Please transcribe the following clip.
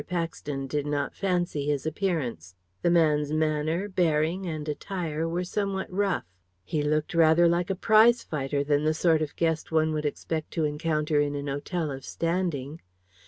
Paxton did not fancy his appearance; the man's manner, bearing, and attire were somewhat rough; he looked rather like a prizefighter than the sort of guest one would expect to encounter in an hotel of standing.